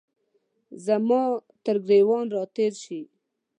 زما ترګریوان را تیر شي